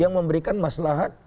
yang memberikan maslahat terbesar